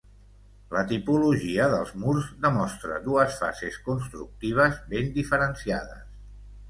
La tipologia dels murs demostra dues fases constructives ben diferenciades.